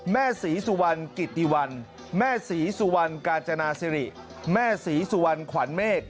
แม่ศรีสุวรรณกิติวันแม่ศรีสุวรรณกาญจนาสิริแม่ศรีสุวรรณขวัญเมฆ